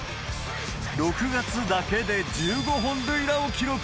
６月だけで１５本塁打を記録。